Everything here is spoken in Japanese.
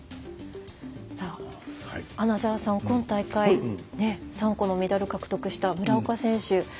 穴澤さん、今大会３個のメダルを獲得した村岡選手。